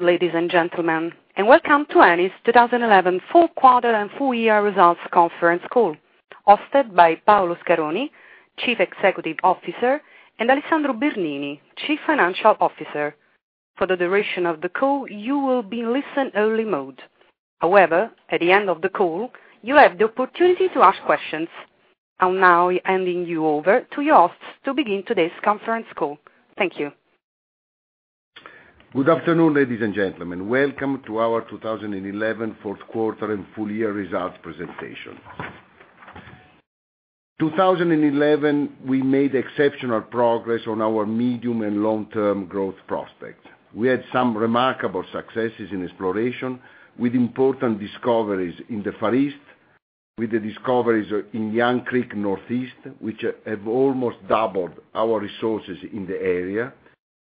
Ladies and gentlemen, welcome to Eni's 2011 Fourth Quarter and Full Year Results Conference Call, hosted by Paolo Scaroni, Chief Executive Officer, and Alessandro Bernini, Chief Financial Officer. For the duration of the call, you will be in listen-only mode. However, at the end of the call, you have the opportunity to ask questions. I'm now handing you over to your hosts to begin today's conference call. Thank you. Good afternoon, ladies and gentlemen. Welcome to our 2011 Fourth Quarter and Full Year Results Presentation. In 2011, we made exceptional progress on our medium and long-term growth prospects. We had some remarkable successes in exploration, with important discoveries in the Far East, with the discoveries in the Jangtkrik North East, which have almost doubled our resources in the area.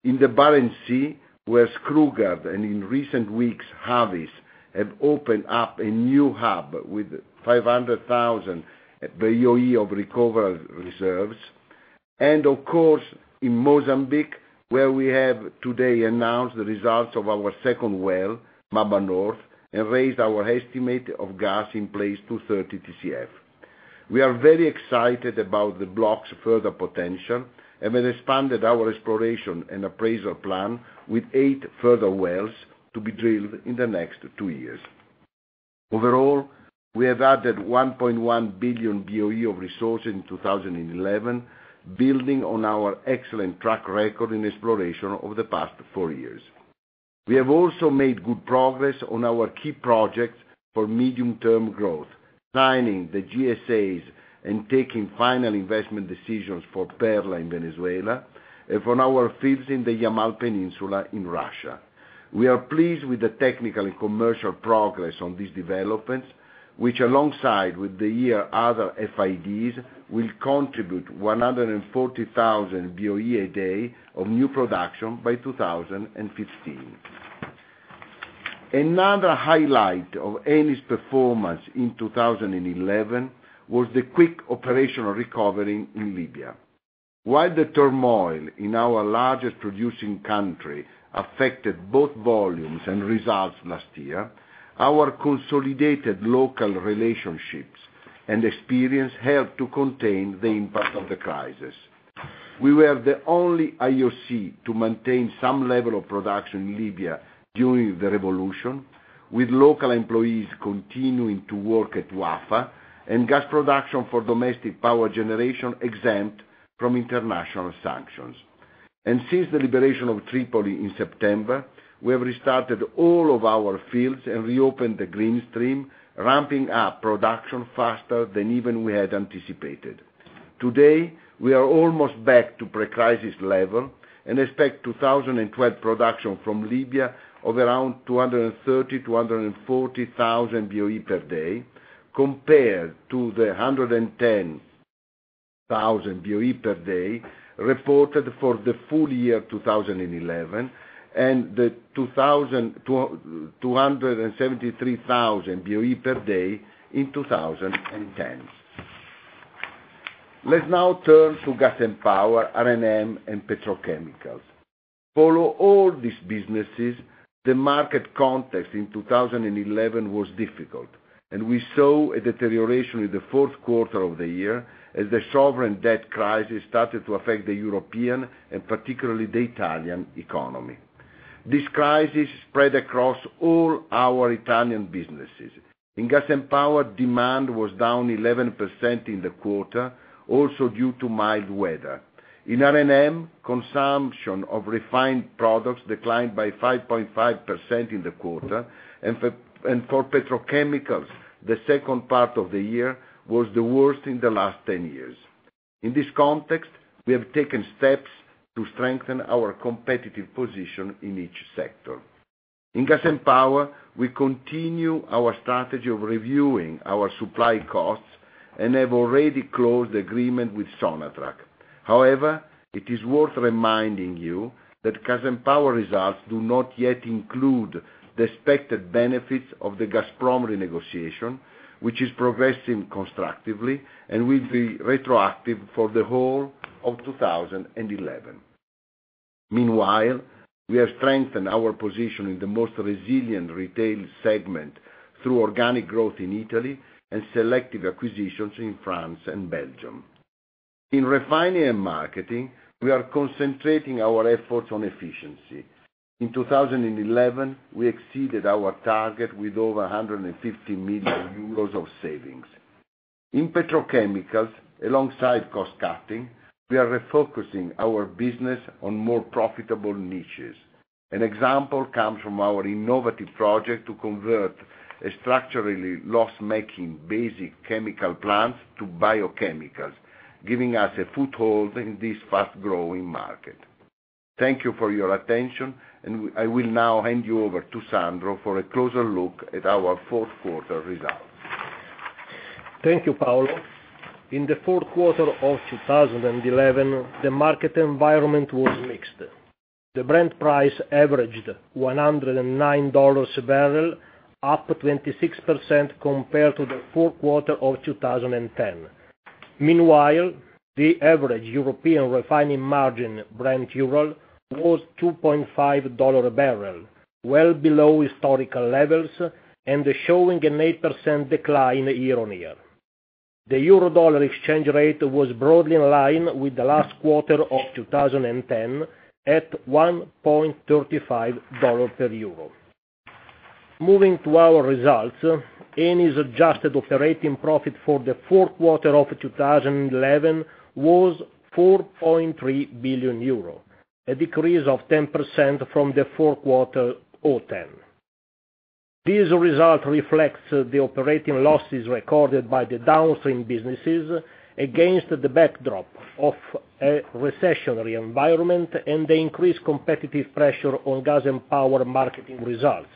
In the Barents Sea, where Skruvgard and, in recent weeks, Havis have opened up a new hub with 500,000 BOE of recoverable reserves. Of course, in Mozambique, where we have today announced the results of our second well, Mamba North, and raised our estimate of gas in place to 30 TCF. We are very excited about the block's further potential and have expanded our exploration and appraisal plan with eight further wells to be drilled in the next two years. Overall, we have added 1.1 billion BOE of resources in 2011, building on our excellent track record in exploration over the past four years. We have also made good progress on our key projects for medium-term growth, signing the GSAs and taking final investment decisions for Perla in Venezuela and for our fields in the Yamal Peninsula in Russia. We are pleased with the technical and commercial progress on these developments, which, alongside the other FIDs, will contribute 140,000 BOE a day of new production by 2015. Another highlight of Eni's performance in 2011 was the quick operational recovery in Libya. While the turmoil in our largest producing country affected both volumes and results last year, our consolidated local relationships and experience helped to contain the impact of the crisis. We were the only IOC to maintain some level of production in Libya during the revolution, with local employees continuing to work at Wafa and gas production for domestic power generation exempt from international sanctions. Since the liberation of Tripoli in September, we have restarted all of our fields and reopened the Green Stream, ramping up production faster than even we had anticipated. Today, we are almost back to pre-crisis level and expect 2012 production from Libya of around 230,000-240,000 BOE per day, compared to the 110,000 BOE per day reported for the full year 2011 and the 273,000 BOE per day in 2010. Let's now turn to Pas and Power, R&M, and Getrochemicals. Following all these businesses, the market context in 2011 was difficult, and we saw a deterioration in the fourth quarter of the year, as the sovereign debt crisis started to affect the European and particularly the Italian economy. This crisis spread across all our Italian businesses. In Gas and Power, demand was down 11% in the quarter, also due to mild weather. In R&M, consumption of refined products declined by 5.5% in the quarter, and for Petrochemicals, the second part of the year was the worst in the last 10 years. In this context, we have taken steps to strengthen our competitive position in each sector. In Gas and Gower, we continue our strategy of reviewing our supply costs and have already closed the agreement with Sonatrach. However, it is worth reminding you that Gas and Power results do not yet include the expected benefits of the Gazprom renegotiation, which is progressing constructively and will be retroactive for the whole of 2011. Meanwhile, we have strengthened our position in the most resilient retail segment through organic growth in Italy and selective acquisitions in France and Belgium. In refinery and marketing, we are concentrating our efforts on efficiency. In 2011, we exceeded our target with over 150 million euros of savings. In petrochemicals, alongside cost-cutting, we are refocusing our business on more profitable niches. An example comes from our innovative project to convert a structurally loss-making basic chemical plant to biochemicals, giving us a foothold in this fast-growing market. Thank you for your attention, and I will now hand you over to Sandro for a closer look at our fourth quarter results. Thank you, Paolo. In the fourth quarter of 2011, the market environment was mixed. The Brent price averaged $109 a barrel, up 26% compared to the fourth quarter of 2010. Meanwhile, the average European refining margin Brent euro was $2.5 a barrel, well below historical levels and showing an 8% decline year-on-year. The euro/dollar exchange rate was broadly in line with the last quarter of 2010 at $1.35 per euro. Moving to our results, Eni's adjusted operating profit for the fourth quarter of 2011 was 4.3 billion euro, a decrease of 10% from the fourth quarter of 2010. This result reflects the operating losses recorded by the downstream businesses against the backdrop of a recessionary environment and the increased competitive pressure on gas and power marketing results,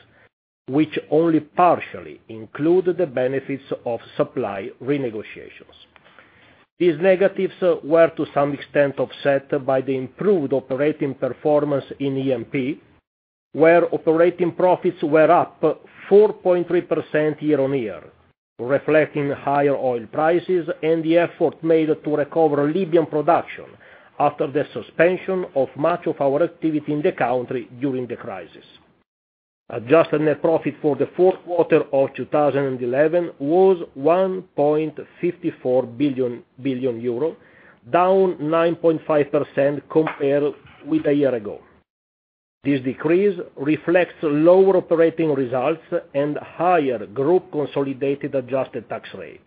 which only partially include the benefits of supply renegotiations. These negatives were to some extent offset by the improved operating performance in E&P, where operating profits were up 4.3% year on year, reflecting higher oil prices and the effort made to recover Libyan production after the suspension of much of our activity in the country during the crisis. Adjusted net profit for the fourth quarter of 2011 was 1.54 billion, down 9.5% compared with a year ago. This decrease reflects lower operating results and a higher group consolidated adjusted tax rate.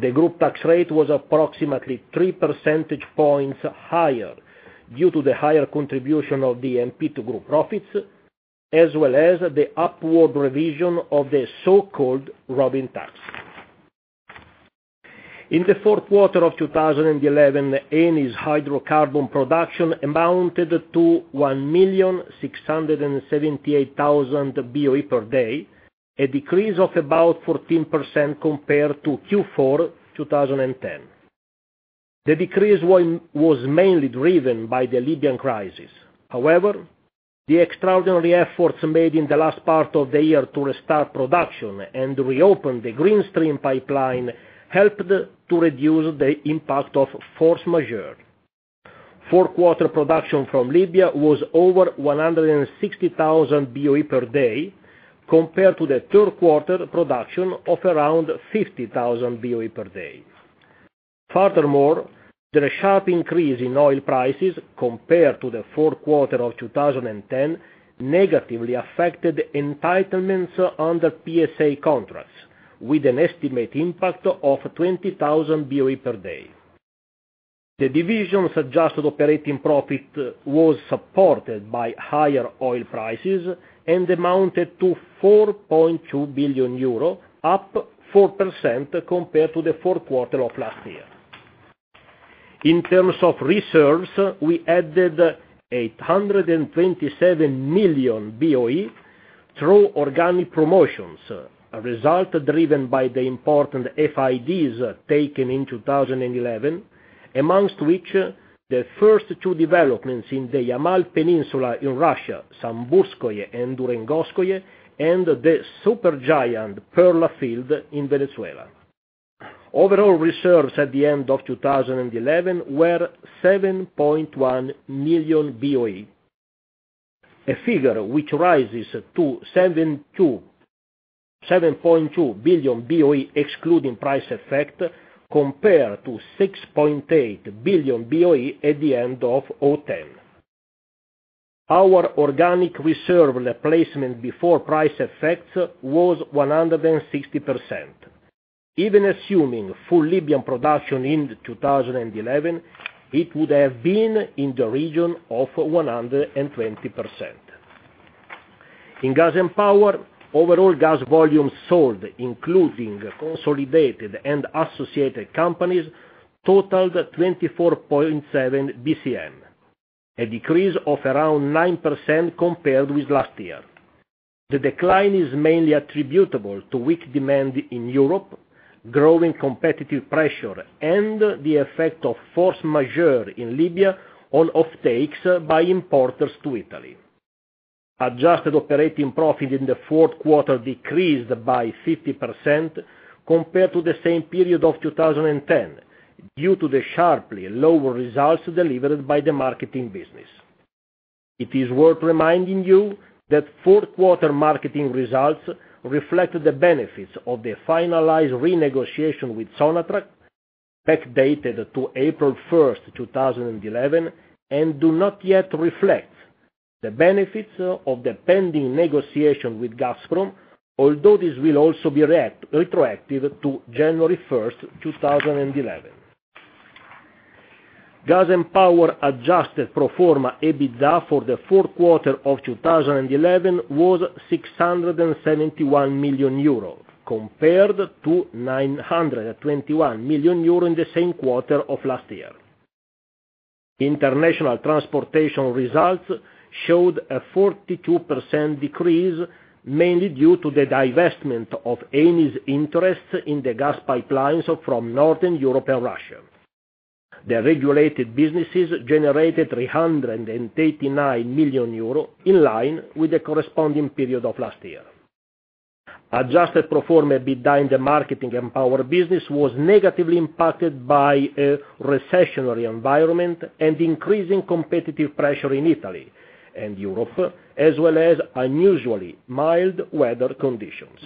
The group tax rate was approximately 3 percentage points higher due to the higher contribution of the E&P to group profits, as well as the upward revision of the so-called Robin tax. In the fourth quarter of 2011, Eni's hydrocarbon production amounted to 1,678,000 BOE per day, a decrease of about 14% compared to Q4 2010. The decrease was mainly driven by the Libyan crisis. However, the extraordinary efforts made in the last part of the year to restart production and reopen the GreenStream Pipeline helped to reduce the impact of force majeure. Fourth quarter production from Libya was over 160,000 BOE per day, compared to the third quarter production of around 50,000 BOE per day. Furthermore, the sharp increase in oil prices compared to the fourth quarter of 2010 negatively affected entitlements under PSA contracts, with an estimated impact of 20,000 BOE per day. The division's adjusted operating profit was supported by higher oil prices and amounted to 4.2 billion euro, up 4% compared to the fourth quarter of last year. In terms of reserves, we added 827 million BOE through organic promotions, a result driven by the important FIDs taken in 2011, amongst which the first two developments in the Yamal Peninsula in Russia, Samburskoye and Durangoskoye, and the supergiant Perla field in Venezuela. Overall reserves at the end of 2011 were 7.1 million BOE, a figure which rises to 7.2 billion BOE excluding price effect, compared to 6.8 billion BOE at the end of 2010. Our organic reserve replacement before price effects was 160%. Even assuming full Libyan production in 2011, it would have been in the region of 120%. In Gas and Power, overall gas volumes sold, including consolidated and associated companies, totaled 24.7 bcm, a decrease of around 9% compared with last year. The decline is mainly attributable to weak demand in Europe, growing competitive pressure, and the effect of force majeure in Libya on off-takes by importers to Italy. Adjusted operating profit in the fourth quarter decreased by 50% compared to the same period of 2010, due to the sharply lower results delivered by the marketing business. It is worth reminding you that fourth quarter marketing results reflect the benefits of the finalized renegotiation with Sonatrach, backdated to April 1st, 2011, and do not yet reflect the benefits of the pending negotiation with Gazprom, although this will also be retroactive to January 1st, 2011. Gas and Power adjusted proforma EBITDA for the fourth quarter of 2011 was 671 million euro, compared to 921 million euro in the same quarter of last year. International transportation results showed a 42% decrease, mainly due to the divestment of Eni's interests in the gas pipelines from Northern Europe and Russia. The regulated businesses generated 389 million euro, in line with the corresponding period of last year. Adjusted proforma EBITDA in the marketing and power business was negatively impacted by a recessionary environment and increasing competitive pressure in Italy and Europe, as well as unusually mild weather conditions.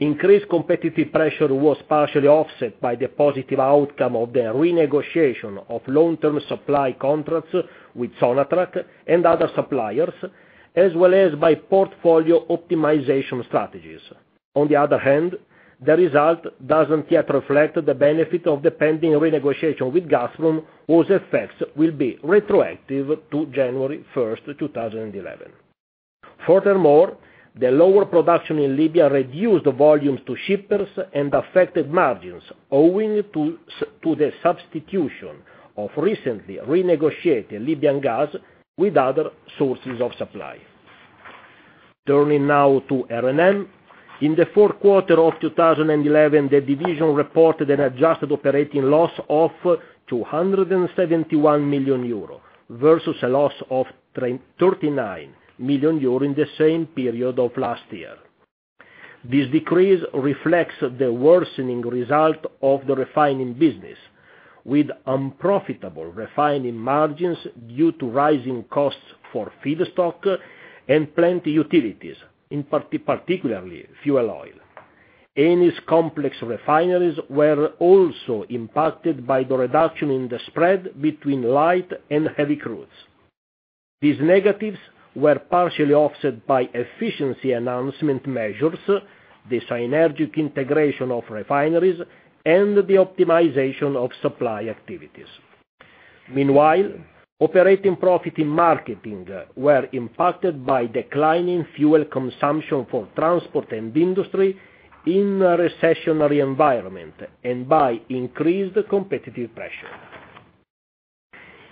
Increased competitive pressure was partially offset by the positive outcome of the renegotiation of long-term supply contracts with Sonatrach and other suppliers, as well as by portfolio optimization strategies. On the other hand, the result does not yet reflect the benefit of the pending renegotiation with Gazprom, whose effects will be retroactive to January 1st, 2011. Furthermore, the lower production in Libya reduced volumes to shippers and affected margins owing to the substitution of recently renegotiated Libyan gas with other sources of supply. Turning now to R&M, in the fourth quarter of 2011, the division reported an adjusted operating loss of 271 million euro versus a loss of 39 million euro in the same period of last year. This decrease reflects the worsening result of the refining business, with unprofitable refining margins due to rising costs for feedstock and plant utilities, in particular fuel oil. Eni's complex refineries were also impacted by the reduction in the spread between light and heavy crudes. These negatives were partially offset by efficiency enhancement measures, the synergic integration of refineries, and the optimization of supply activities. Meanwhile, operating profit in marketing was impacted by declining fuel consumption for transport and industry in a recessionary environment and by increased competitive pressure.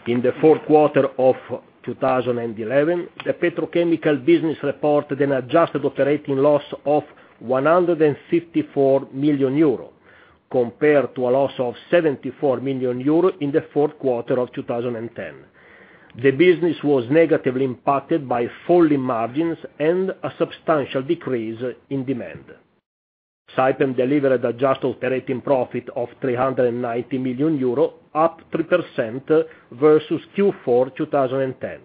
In the fourth quarter of 2011, the Petrochemical business reported an adjusted operating loss of 154 million euro, compared to a loss of 74 million euro in the fourth quarter of 2010. The business was negatively impacted by falling margins and a substantial decrease in demand. Saipem delivered an adjusted operating profit of 390 million euro, up 3% versus Q4 2010.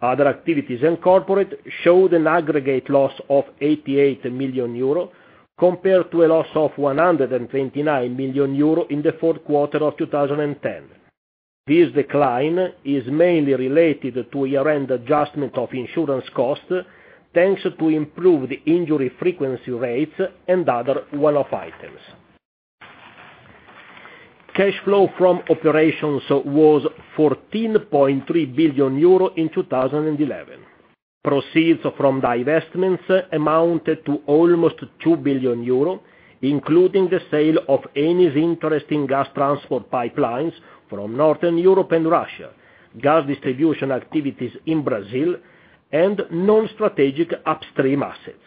Other activities and corporate showed an aggregate loss of €88 million, compared to a loss of 129 million euro in the fourth quarter of 2010. This decline is mainly related to a year-end adjustment of insurance costs, thanks to improved injury frequency rates and other one-off items. Cash flow from operations was 14.3 billion euro in 2011. Proceeds from divestments amounted to almost 2 billion euro, including the sale of Eni's interest in gas transport pipelines from Northern Europe and Russia, gas distribution activities in Brazil, and non-strategic upstream assets.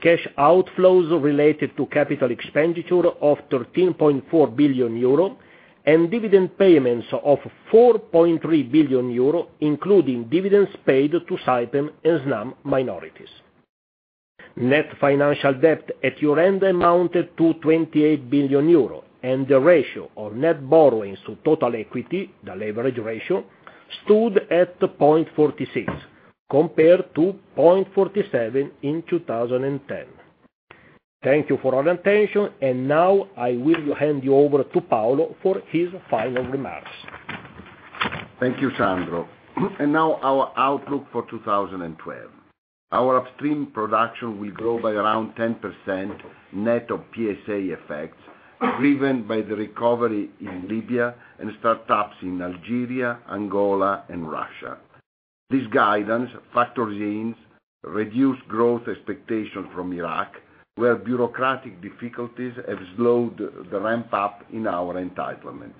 Cash outflows related to capital expenditure of 13.4 billion euro and dividend payments of 4.3 billion euro, including dividends paid to Saipem and Snam minorities. Net financial debt at year-end amounted to 28 billion euro, and the ratio of net borrowings to total equity, the leverage ratio, stood at 0.46, compared to 0.47 in 2010. Thank you for your attention, and now I will hand you over to Paolo for his final remarks. Thank you, Sandro. Now, our outlook for 2012. Our upstream production will grow by around 10%, net of PSA effects, driven by the recovery in Libya and startups in Algeria, Angola, and Russia. This guidance factors in reduced growth expectations from Iraq, where bureaucratic difficulties have slowed the ramp-up in our entitlements.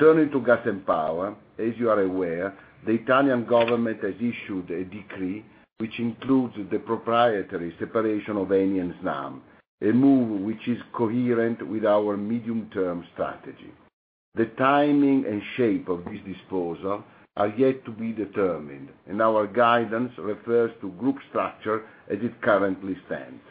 Turning to Gas and Power, as you are aware, the Italian government has issued a decree which includes the proprietary separation of Eni and Snam, a move which is coherent with our medium-term strategy. The timing and shape of this disposal are yet to be determined, and our guidance refers to group structure as it currently stands.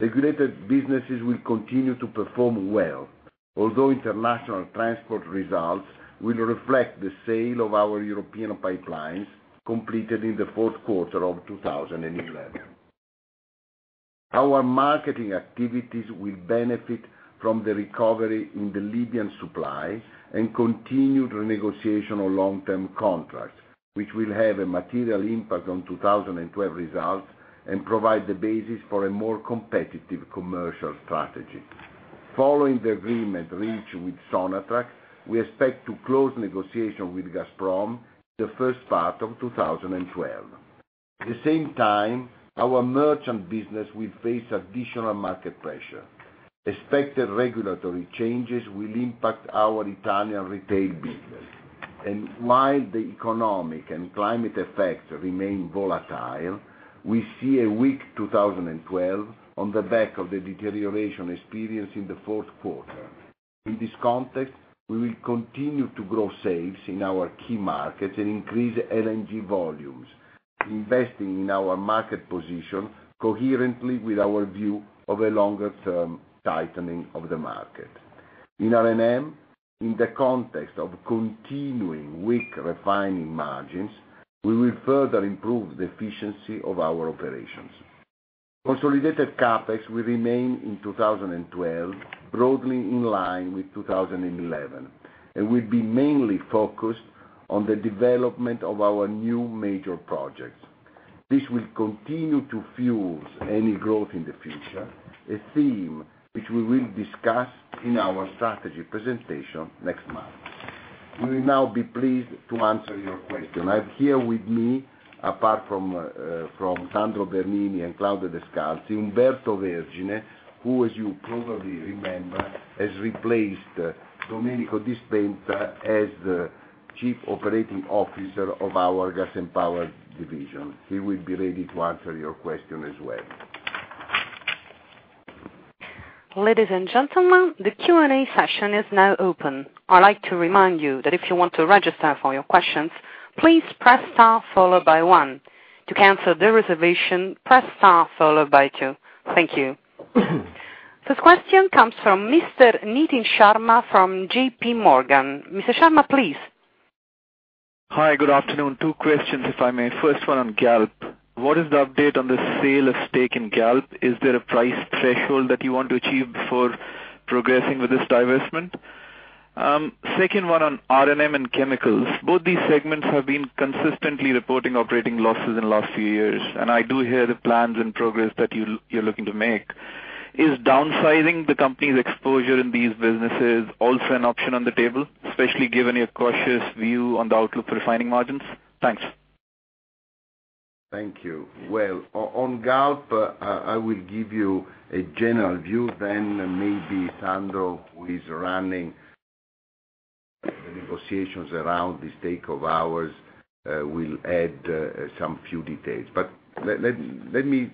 Regulated businesses will continue to perform well, although international transport results will reflect the sale of our European pipelines completed in the fourth quarter of 2011. Our marketing activities will benefit from the recovery in the Libyan supply and continued renegotiation of long-term contracts, which will have a material impact on 2012 results and provide the basis for a more competitive commercial strategy. Following the agreement reached with Sonatrach, we expect to close negotiations with Gazprom in the first part of 2012. At the same time, our merchant business will face additional market pressure. Expected regulatory changes will impact our Italian retail business. While the economic and climate effects remain volatile, we see a weak 2012 on the back of the deterioration experienced in the fourth quarter. In this context, we will continue to grow sales in our key markets and increase LNG volumes, investing in our market position coherently with our view of a longer-term tightening of the market. In R&M, in the context of continuing weak refining margins, we will further improve the efficiency of our operations. Consolidated CapEx will remain in 2012, broadly in line with 2011, and will be mainly focused on the development of our new major projects. This will continue to fuel Eni growth in the future, a theme which we will discuss in our strategy presentation next month. We will now be pleased to answer your question. I have here with me, apart from Sandro Bernini and Claudio Descalzi, Umberto Vergine, who, as you probably remember, has replaced Domenico Dispenza as the Chief Operating Officer of our Gas and Power division. He will be ready to answer your question as well. Ladies and gentlemen, the Q&A session is now open. I'd like to remind you that if you want to register for your questions, please press star followed by one. To cancel the reservation, press star followed by two. Thank you. First question comes from Mr. Nitin Sharma from JPMorgan. Mr. Sharma, please. Hi, good afternoon. Two questions, if I may. First one on GALP. What is the update on the sale of stake in GALP? Is there a price threshold that you want to achieve before progressing with this divestment? Second one on R&M and Chemicals. Both these segments have been consistently reporting operating losses in the last few years, and I do hear the plans and progress that you're looking to make. Is downsizing the company's exposure in these businesses also an option on the table, especially given your cautious view on the outlook for refining margins? Thanks. Thank you. On GALP, I will give you a general view, then maybe Sandro, who is running the negotiations around the stake of ours, will add some few details. Let me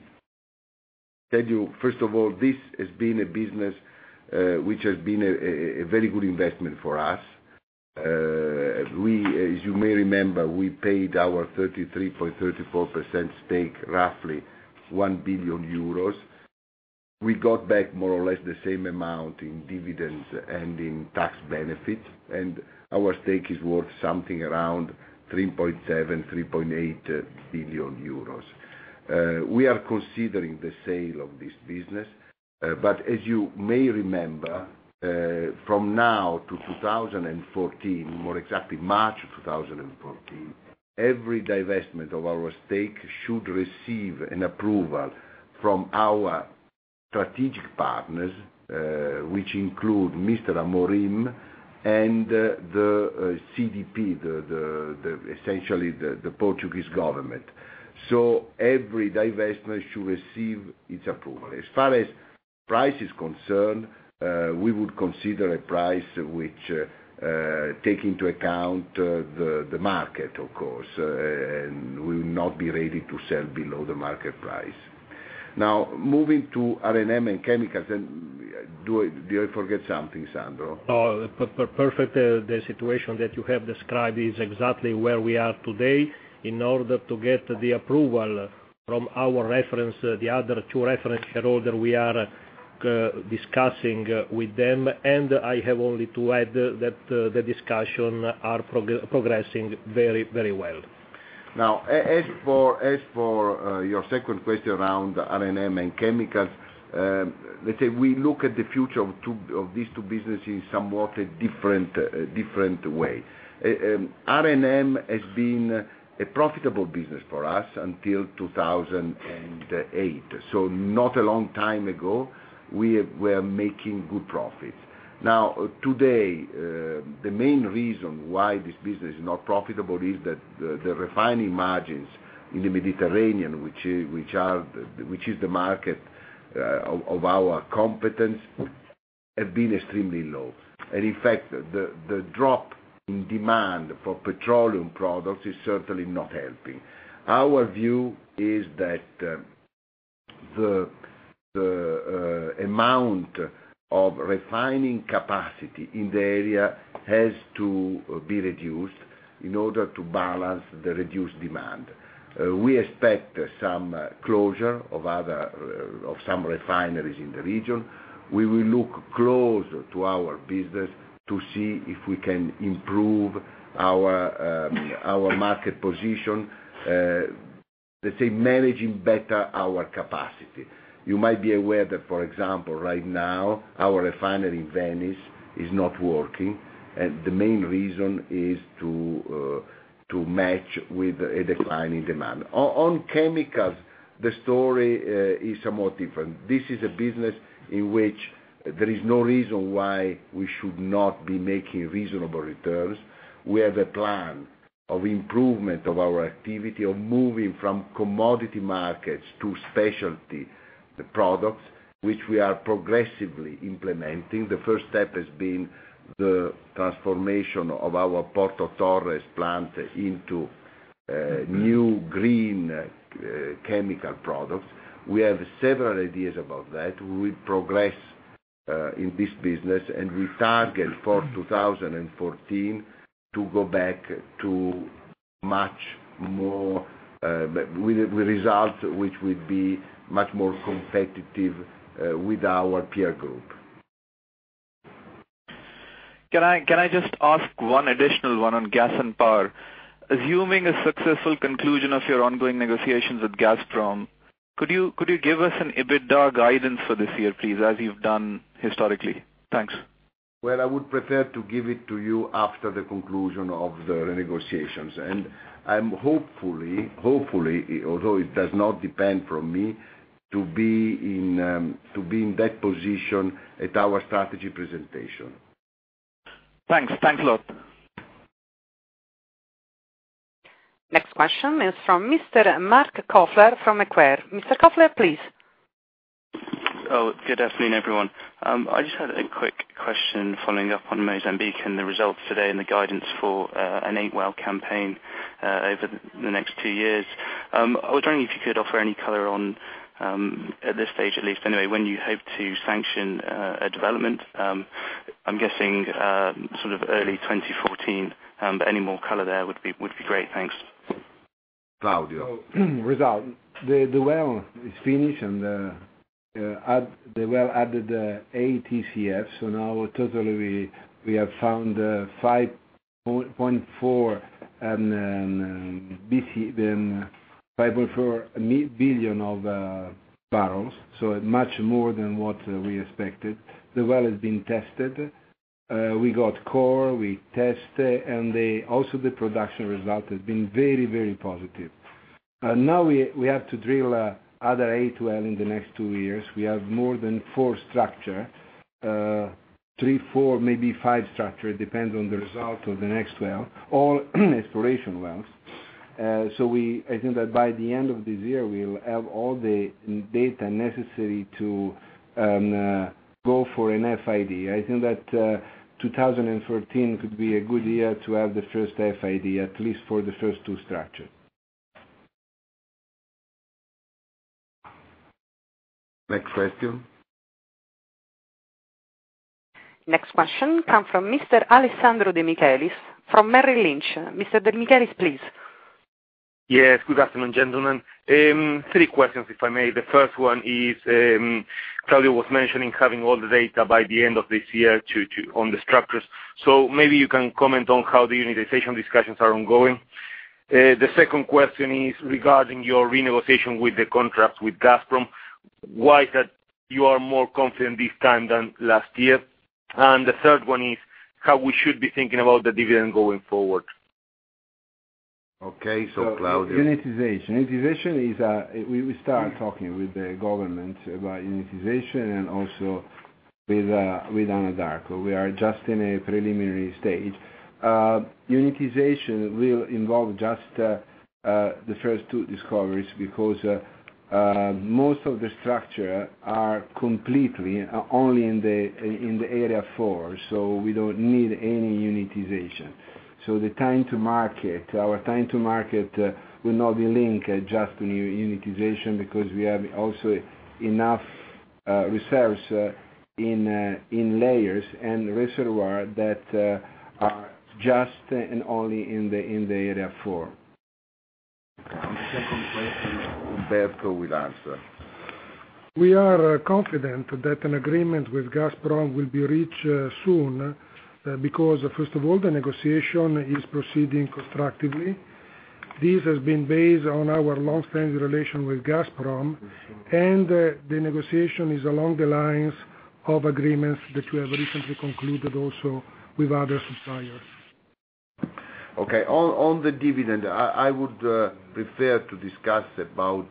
tell you, first of all, this has been a business which has been a very good investment for us. As you may remember, we paid our 33.34% stake, roughly 1 billion euros. We got back more or less the same amount in dividends and in tax benefits, and our stake is worth something around 3.7-3.8 billion euros. We are considering the sale of this business. As you may remember, from now to 2014, more exactly March of 2014, every divestment of our stake should receive an approval from our strategic partners, which include Mr. Amorim and the CDP, essentially the Portuguese government. Every divestment should receive its approval. As far as price is concerned, we would consider a price which takes into account the market, of course, and we will not be ready to sell below the market price. Now, moving to R&M and Chemicals, do I forget something, Sandro? Oh, perfect. The situation that you have described is exactly where we are today in order to get the approval from our reference, the other two reference shareholders. We are discussing with them, and I have only to add that the discussions are progressing very, very well. Now, as for your second question around R&M and chemicals, let's say we look at the future of these two businesses in somewhat a different way. R&M has been a profitable business for us until 2008, so not a long time ago, we were making good profits. Now, today, the main reason why this business is not profitable is that the refining margins in the Mediterranean, which is the market of our competence, have been extremely low. In fact, the drop in demand for petroleum products is certainly not helping. Our view is that the amount of refining capacity in the area has to be reduced in order to balance the reduced demand. We expect some closure of some refineries in the region. We will look closer to our business to see if we can improve our market position, let's say managing better our capacity. You might be aware that, for example, right now, our refinery in Venice is not working, and the main reason is to match with a decline in demand. On chemicals, the story is somewhat different. This is a business in which there is no reason why we should not be making reasonable returns. We have a plan of improvement of our activity, of moving from commodity markets to specialty products, which we are progressively implementing. The first step has been the transformation of our Porto Torres plant into new green chemical products. We have several ideas about that. We will progress in this business, and we target for 2014 to go back to much more results, which would be much more competitive with our peer group. Can I just ask one additional one on Gas & Power? Assuming a successful conclusion of your ongoing negotiations with Gazprom, could you give us an EBITDA guidance for this year, please, as you've done historically? Thanks. I would prefer to give it to you after the conclusion of the renegotiations. I'm hopefully, although it does not depend on me, to be in that position at our strategy presentation. Thanks. Thanks, Lo. Next question is from Mr. Marc Kofler from Macquarie. Mr. Cawthere, please. Oh, good afternoon, everyone. I just had a quick question following up on Mozambique and the results today and the guidance for an eight-well campaign over the next two years. I was wondering if you could offer any color on, at this stage at least anyway, when you hope to sanction a development. I'm guessing sort of early 2014, but any more color there would be great. Thanks. Claudio. Result, the well is finished, and the well added 8 TCFs. Now, totally, we have found 5.4 billion of barrels, so much more than what we expected. The well has been tested. We got core, we tested, and also the production result has been very, very positive. Now, we have to drill another eight wells in the next two years. We have more than four structures, three, four, maybe five structures, depending on the result of the next well, all exploration wells. I think that by the end of this year, we'll have all the data necessary to go for an FID. I think that 2014 could be a good year to have the first FID, at least for the first two structures. Next question. Next question comes from Mr. Alessandro Demichelis from Merrill Lynch. Mr. Demichelis, please. Yes, good afternoon, gentlemen. Three questions, if I may. The first one is Claudio was mentioning having all the data by the end of this year on the structures. Maybe you can comment on how the unitization discussions are ongoing. The second question is regarding your renegotiation with the contract with Gazprom. Why is it that you are more confident this time than last year? The third one is how we should be thinking about the dividend going forward. Okay. Claudio. Unitization. Unitization is we started talking with the government about unitization and also with Anadarko. We are just in a preliminary stage. Unitization will involve just the first two discoveries because most of the structures are completely only in Area 4, so we don't need any unitization. The time to market, our time to market will not be linked just to unitization because we have also enough reserves in layers and reservoirs that are just and only in area four. The second question, Umberto will answer. We are confident that an agreement with Gazprom will be reached soon because, first of all, the negotiation is proceeding constructively. This has been based on our longstanding relation with Gazprom, and the negotiation is along the lines of agreements that you have recently concluded also with other suppliers. Okay. On the dividend, I would prefer to discuss about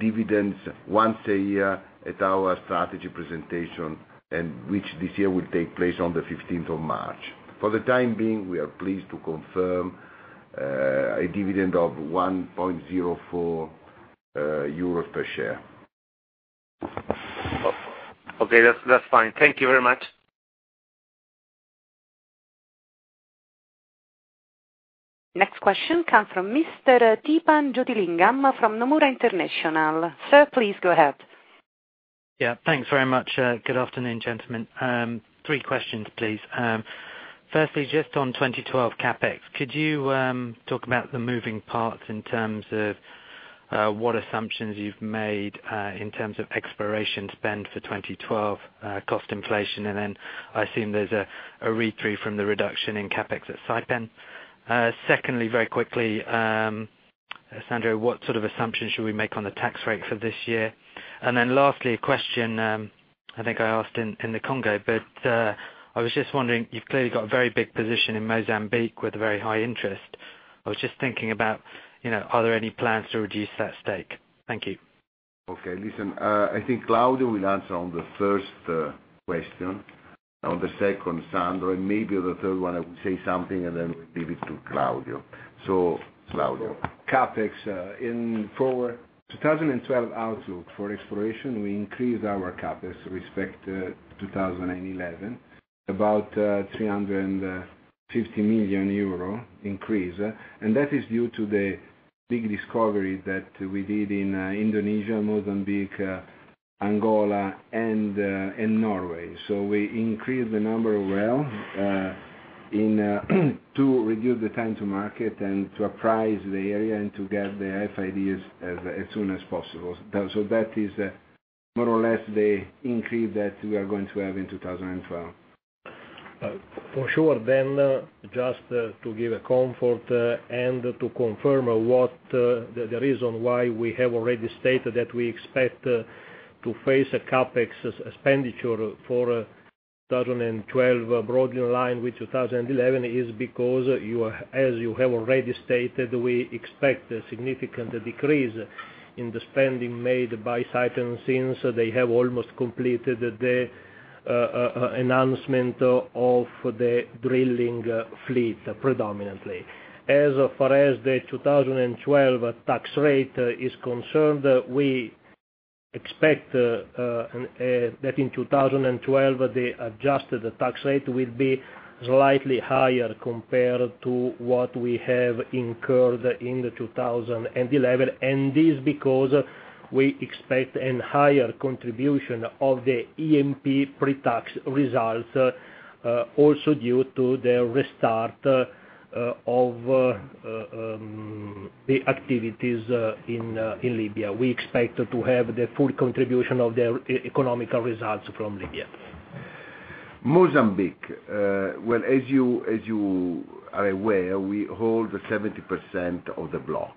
dividends once a year at our strategy presentation, which this year will take place on the 15th of March. For the time being, we are pleased to confirm a dividend of 1.04 euros per share. Okay, that's fine. Thank you very much. Next question comes from Mr. Theepan Jothilingam from Nomura International. Sir, please go ahead. Yeah, thanks very much. Good afternoon, gentlemen. Three questions, please. Firstly, just on 2012 CapEx, could you talk about the moving parts in terms of what assumptions you've made in terms of exploration spend for 2012, cost inflation, and then I assume there's a read-through from the reduction in CapEx at Saipem. Secondly, very quickly, Sandro, what sort of assumptions should we make on the tax rate for this year? Lastly, a question I think I asked in the Congo, but I was just wondering, you've clearly got a very big position in Mozambique with a very high interest. I was just thinking about, you know, are there any plans to reduce that stake? Thank you. Okay. Listen, I think Claudio will answer on the first question. On the second, Sandro, and maybe on the third one, I will say something and then leave it to Claudio. Claudio. CapEx, in for 2012 outlook for exploration, we increased our CapEx with respect to 2011, about 350 million euro increase, and that is due to the big discovery that we did in Indonesia, Mozambique, Angola, and Norway. We increased the number of wells to reduce the time to market and to appraise the area and to get the FIDs as soon as possible. That is more or less the increase that we are going to have in 2012. For sure, just to give a comfort and to confirm what the reason why we have already stated that we expect to face a CapEx expenditure for 2012 broadly in line with 2011 is because, as you have already stated, we expect a significant decrease in the spending made by Saipem since they have almost completed the announcement of the drilling fleet predominantly. As far as the 2012 tax rate is concerned, we expect that in 2012, the adjusted tax rate will be slightly higher compared to what we have incurred in 2011, and this is because we expect a higher contribution of the E&P pre-tax results, also due to the restart of the activities in Libya. We expect to have the full contribution of the economical results from Libya. Mozambique, as you are aware, we hold 70% of the block.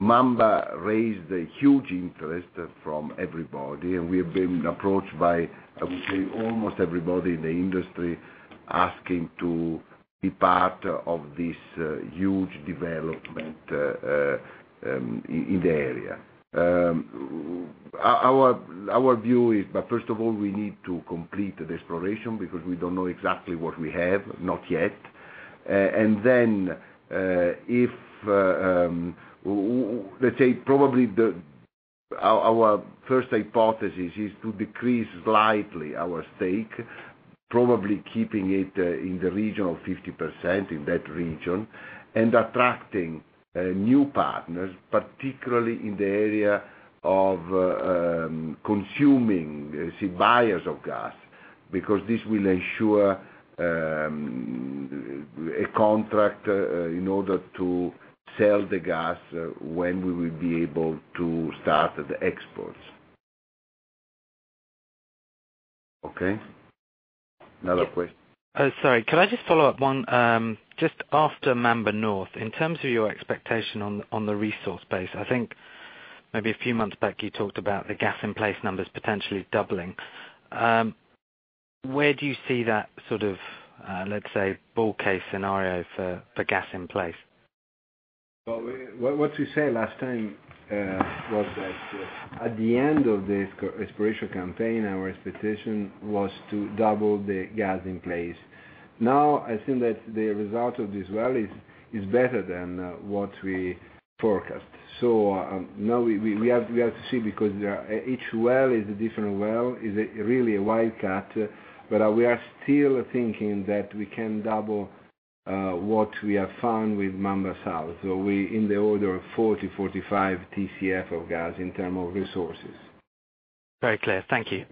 Mamba raised a huge interest from everybody, and we have been approached by, I would say, almost everybody in the industry asking to be part of this huge development in the area. Our view is, first of all, we need to complete the exploration because we don't know exactly what we have, not yet. Probably our first hypothesis is to decrease slightly our stake, probably keeping it in the region of 50% in that region and attracting new partners, particularly in the area of consuming, say, buyers of gas, because this will ensure a contract in order to sell the gas when we will be able to start the exports. Okay? Another question. Sorry. Can I just follow up on just after Mamba North? In terms of your expectation on the resource base, I think maybe a few months back, you talked about the gas in place numbers potentially doubling. Where do you see that sort of, let's say, ball case scenario for gas in place? At the end of the exploration campaign, our expectation was to double the gas in place. I think that the result of this well is better than what we forecast. Now we have to see because each well is a different well. It's really a wildcat, but we're still thinking that we can double what we have found with Mamba South. We're in the order of 40, 45 TCF of gas in terms of resources. Very clear. Thank you.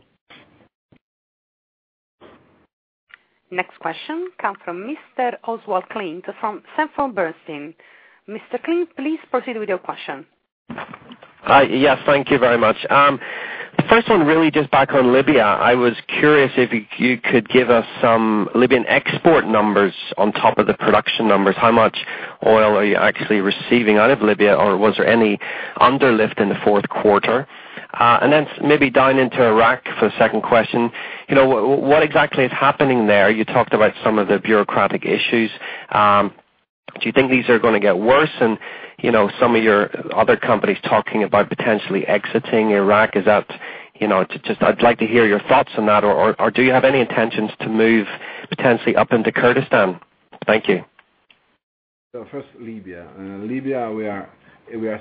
Next question comes from Mr. Oswald Clint from Sanford Bernstein. Mr. Clint, please proceed with your question. Yeah, thank you very much. The first one really just back on Libya. I was curious if you could give us some Libyan export numbers on top of the production numbers. How much oil are you actually receiving out of Libya, or was there any underlift in the fourth quarter? Maybe dive into Iraq for a second question. You know, what exactly is happening there? You talked about some of the bureaucratic issues. Do you think these are going to get worse? Some of your other companies are talking about potentially exiting Iraq. Is that, you know, just I'd like to hear your thoughts on that, or do you have any intentions to move potentially up into Kurdistan? Thank you. Libya, we are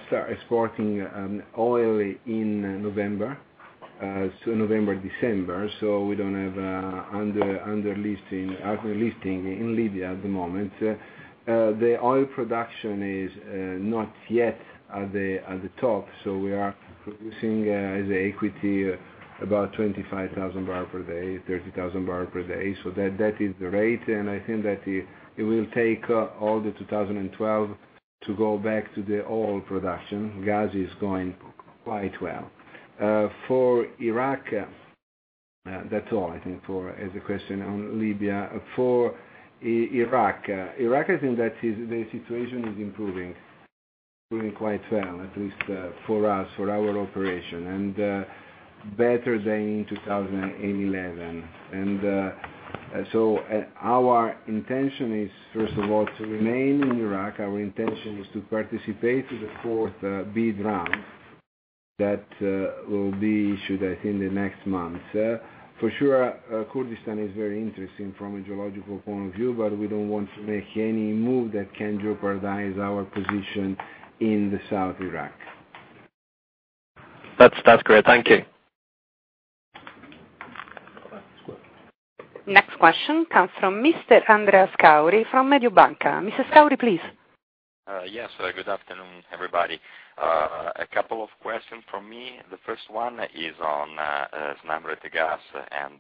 starting exporting oil in November, so November, December. We don't have underlisting in Libya at the moment. The oil production is not yet at the top. We are producing as an equity about 25,000 barrels per day, 30,000 barrels per day. That is the rate. I think that it will take all of 2012 to go back to the oil production. Gas is going quite well. For Iraq, that's all I think for the question on Libya. For Iraq, I think that the situation is improving, improving quite well, at least for us, for our operation, and better than in 2011. Our intention is, first of all, to remain in Iraq. Our intention was to participate in the fourth B draft that will be issued, I think, in the next month. For sure, Kurdistan is very interesting from a geological point of view, but we don't want to make any move that can jeopardize our position in the South Iraq. That's great. Thank you. Next question comes from Mr. Andreas Scauri from Mediobanca. Mr. Scauri, please. Yes. Good afternoon, everybody. A couple of questions from me. The first one is on Snam and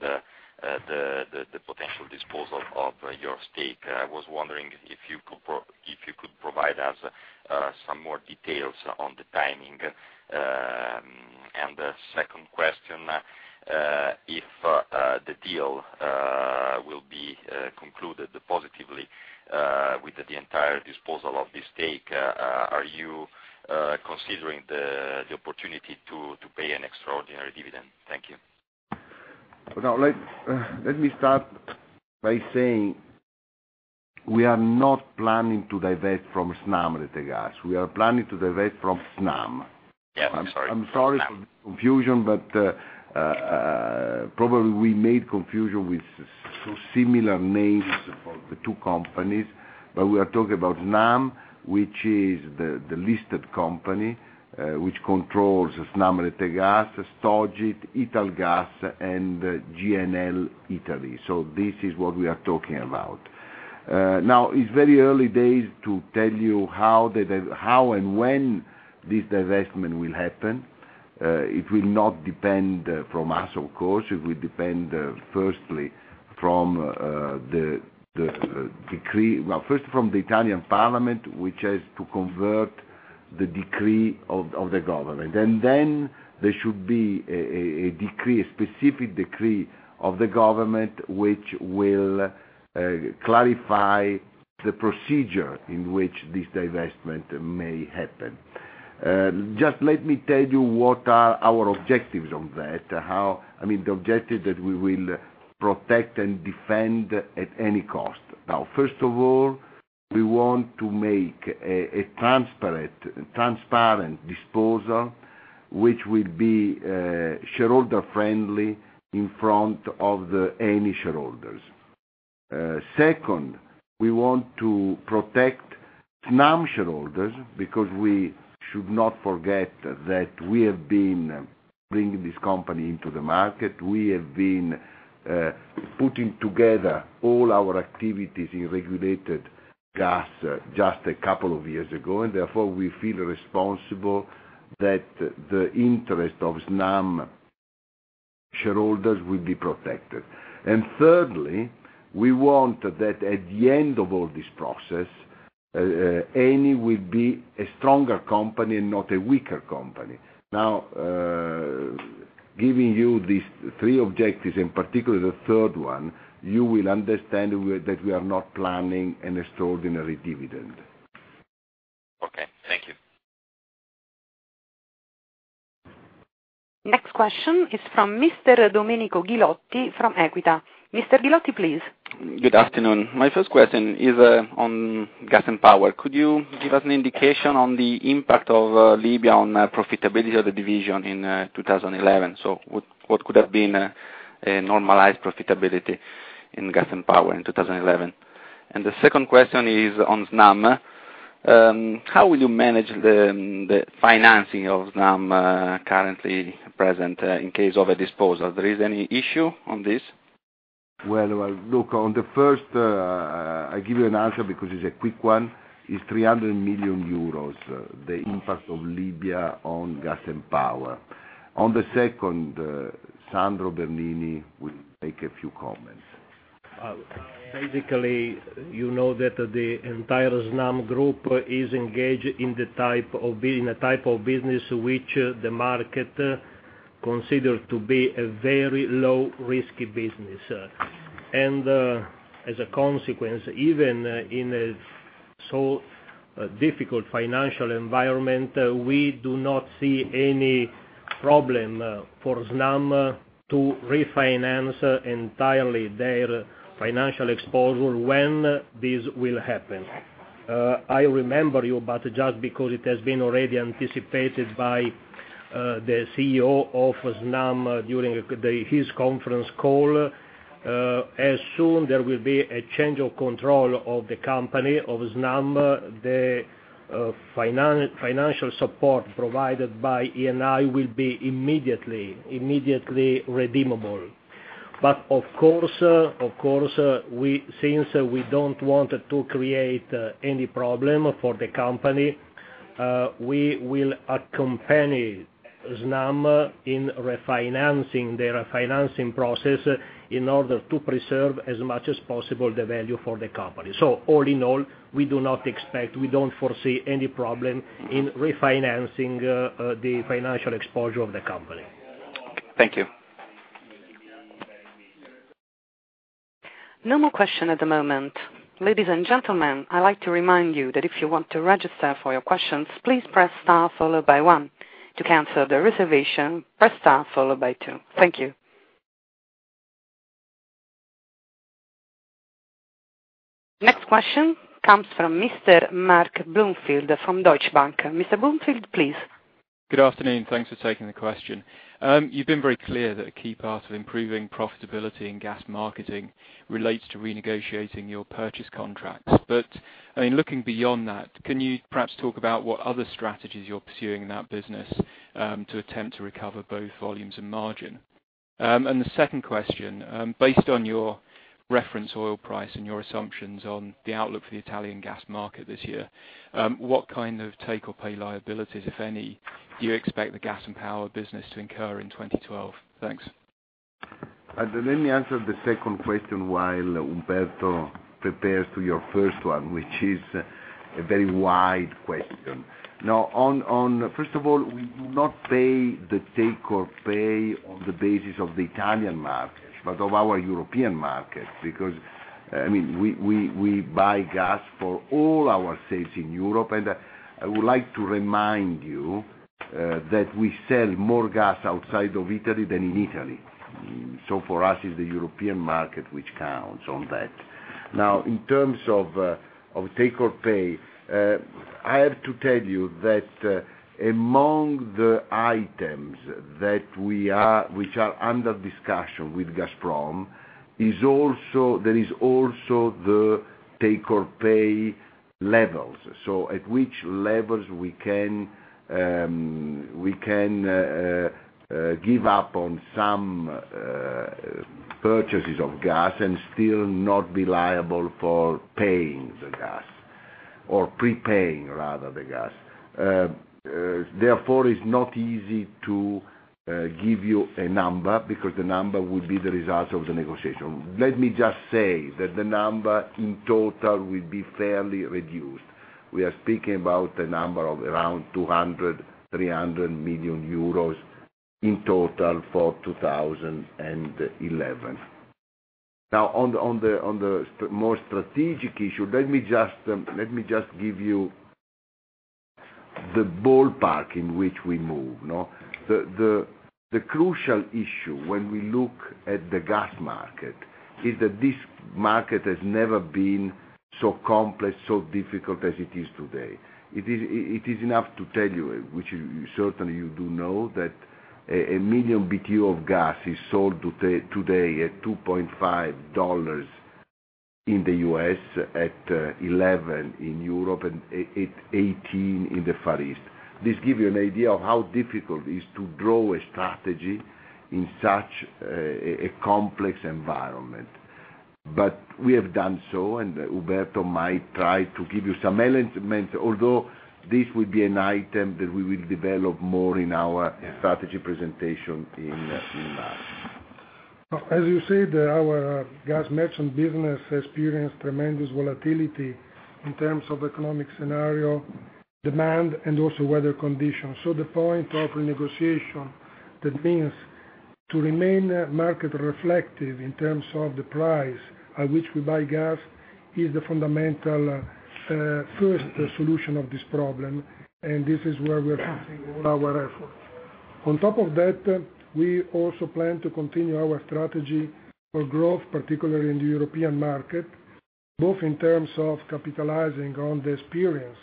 the potential disposal of your stake. I was wondering if you could provide us some more details on the timing. If the deal will be concluded positively with the entire disposal of the stake, are you considering the opportunity to pay an extraordinary dividend? Thank you. Now, let me start by saying we are not planning to divest from Snam Rete Gas. We are planning to divest from Snam. I'm sorry. I'm sorry for the confusion, but probably we made confusion with some similar names for the two companies. We are talking about Snam, which is the listed company, which controls Snam Rete Gas, Stogit, Italgas, and G&L Italy. This is what we are talking about. Now, it's very early days to tell you how and when this divestment will happen. It will not depend on us, of course. It will depend, first, on the Italian Parliament, which has to convert the decree of the government. There should be a specific decree of the government, which will clarify the procedure in which this divestment may happen. Just let me tell you what our objectives are on that. I mean, the objective that we will protect and defend at any cost. First of all, we want to make a transparent disposal, which will be shareholder-friendly in front of any shareholders. Second, we want to protect Snam shareholders because we should not forget that we have been bringing this company into the market. We have been putting together all our activities in regulated gas just a couple of years ago, and therefore, we feel responsible that the interest of Snam shareholders will be protected. Thirdly, we want that at the end of all this process, Eni will be a stronger company and not a weaker company. Now, giving you these three objectives, in particular, the third one, you will understand that we are not planning an extraordinary dividend. Okay, thank you. Next question is from Mr. Domenico Ghilotti from Equita. Mr. Ghilotti, please. Good afternoon. My first question is on gas and power. Could you give us an indication on the impact of Libya on the profitability of the division in 2011? What could have been a normalized profitability in gas and power in 2011? The second question is on Snam. How will you manage the financing of Snam currently present in case of a disposal? Is there any issue on this? On the first, I'll give you an answer because it's a quick one. It's €300 million, the impact of Libya on gas and power. On the second, Sandro Bernini would make a few comments. Basically, you know that the entire Snam group is engaged in the type of business which the market considers to be a very low-risk business. As a consequence, even in a so difficult financial environment, we do not see any problem for Snam to refinance entirely their financial exposure when this will happen. I remember you, but just because it has been already anticipated by the CEO of Snam during his conference call, as soon as there will be a change of control of the company of Snam, the financial support provided by Eni will be immediately redeemable. Of course, since we don't want to create any problem for the company, we will accompany Snam in refinancing their financing process in order to preserve as much as possible the value for the company. All in all, we do not expect, we don't foresee any problem in refinancing the financial exposure of the company. Thank you. No more questions at the moment. Ladies and gentlemen, I'd like to remind you that if you want to register for your questions, please press star followed by one. To cancel the reservation, press star followed by two. Thank you. Next question comes from Mr. Mark Bloomfield from Deutsche Bank. Mr. Bloomfield, please. Good afternoon. Thanks for taking the question. You've been very clear that a key part of improving profitability in gas marketing relates to renegotiating your purchase contracts. In looking beyond that, can you perhaps talk about what other strategies you're pursuing in that business to attempt to recover both volumes and margin? The second question, based on your reference oil price and your assumptions on the outlook for the Italian gas market this year, what kind of take or pay liabilities, if any, do you expect the gas and power business to incur in 2012? Thanks. I didn't answer the second question while Umberto prepares your first one, which is a very wide question. First of all, we will not pay the take or pay on the basis of the Italian market, but of our European markets because, I mean, we buy gas for all our sales in Europe. I would like to remind you that we sell more gas outside of Italy than in Italy. For us, it's the European market which counts on that. In terms of take or pay, I have to tell you that among the items that we are under discussion with Gazprom, there is also the take or pay levels, so at which levels we can give up on some purchases of gas and still not be liable for paying the gas or prepaying, rather, the gas. Therefore, it's not easy to give you a number because the number will be the result of the negotiation. Let me just say that the number in total will be fairly reduced. We are speaking about a number of around 200 million, 300 million euros in total for 2011. On the more strategic issue, let me just give you the ballpark in which we move. The crucial issue when we look at the gas market is that this market has never been so complex, so difficult as it is today. It is enough to tell you, which certainly you do know, that a million BOE of gas is sold today at $2.5 in the U.S., at $11 in Europe, and at $18 in the Far East. This gives you an idea of how difficult it is to draw a strategy in such a complex environment. We have done so, and Umberto might try to give you some elements, although this will be an item that we will develop more in our strategy presentation in March. As you said, our gas merchant business has experienced tremendous volatility in terms of economic scenario, demand, and also weather conditions. The point of renegotiation that means to remain market-reflective in terms of the price at which we buy gas is the fundamental first solution of this problem. This is where we are putting all our efforts. On top of that, we also plan to continue our strategy for growth, particularly in the European market, both in terms of capitalizing on the experience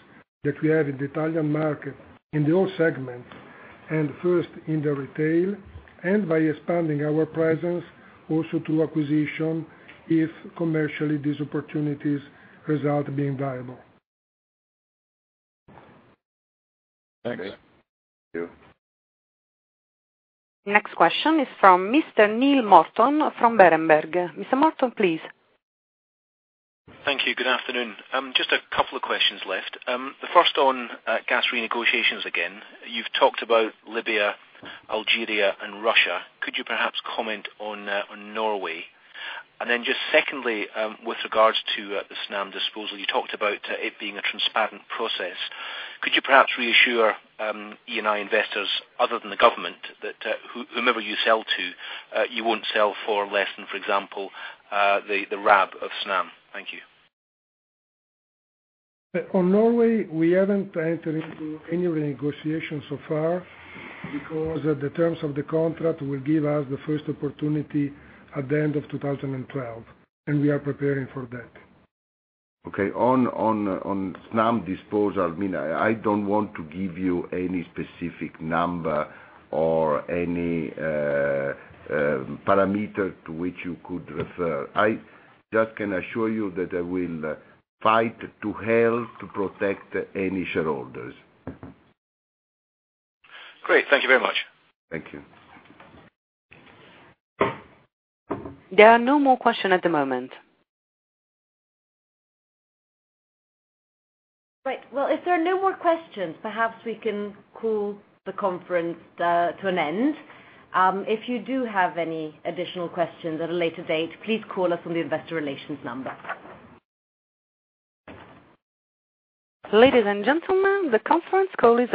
that we have in the Italian market in all segments, first in the retail, and by expanding our presence also through acquisition if commercially these opportunities result in being viable. Thank you. Thank you. Next question is from Mr. Neil Morton from Berenberg. Mr. Morton, please. Thank you. Good afternoon. Just a couple of questions left. The first on gas renegotiations again. You've talked about Libya, Algeria, and Russia. Could you perhaps comment on Norway? Secondly, with regards to the Snam disposal, you talked about it being a transparent process. Could you perhaps reassure Eni investors, other than the government, that whomever you sell to, you won't sell for less than, for example, the RAB of Snam? Thank you. On Norway, we haven't planned to do any renegotiations so far because the terms of the contract will give us the first opportunity at the end of 2012, and we are preparing for that. Okay. On Snam disposal, I mean, I don't want to give you any specific number or any parameter to which you could refer. I just can assure you that I will fight to hell to protect any shareholders. Great. Thank you very much. Thank you. There are no more questions at the moment. If there are no more questions, perhaps we can call the conference to an end. If you do have any additional questions at a later date, please call us on the investor relations number. Ladies and gentlemen, the conference closes.